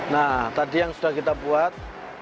nah tadi yang sudah kita buat